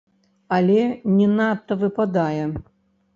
Але не надта выпадае.